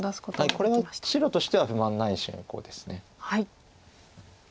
これは白としては不満ない進行です。